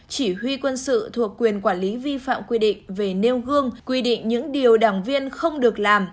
chỉ huy quân sự thuộc quyền quản lý vi phạm quy định về nêu gương quy định những điều đảng viên không được làm